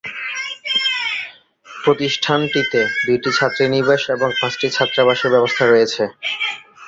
প্রতিষ্ঠানটিতে দুইটি ছাত্রীনিবাস এবং পাঁচটি ছাত্রাবাসের ব্যবস্থা রয়েছে।